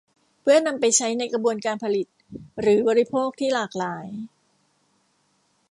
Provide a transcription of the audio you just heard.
เพื่อนำไปใช้ในกระบวนการผลิตหรือบริโภคที่หลากหลาย